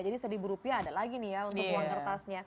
jadi seribu rupiah ada lagi nih ya untuk uang kertasnya